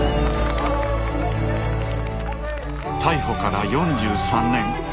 逮捕から４３年。